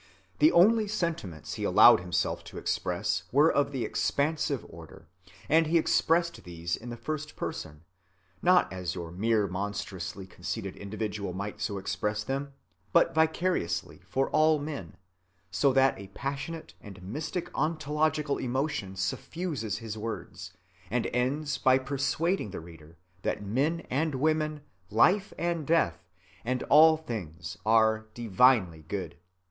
The only sentiments he allowed himself to express were of the expansive order; and he expressed these in the first person, not as your mere monstrously conceited individual might so express them, but vicariously for all men, so that a passionate and mystic ontological emotion suffuses his words, and ends by persuading the reader that men and women, life and death, and all things are divinely good.